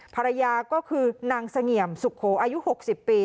ภรรยาก็คือนางสงเหย่มสุโขอายุหกสิบปี